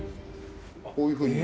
こういうふうに。